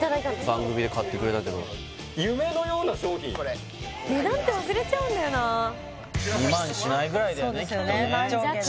番組で買ってくれたけど夢のような商品値段って忘れちゃうんだよな２万しないぐらいだよねきっとねそうですね